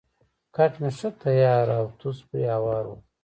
کټ مې ښه تیار او توس پرې هوار وو.